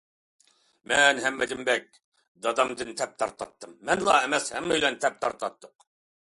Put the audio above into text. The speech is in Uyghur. مەن ھەممىدىن بەك بوۋامدىن تەپ تارتاتتىم، مەنلا ئەمەس، ھەممەيلەن تەپ تارتاتتۇق.